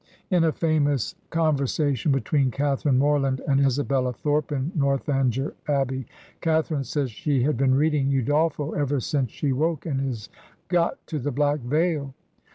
In a famous conversation between Catharine Morland and Isabella Thorp in " Northanger Abbey," Catharine says she has been reading "Udolpho'' ever since she woke and is ''got to the black veil."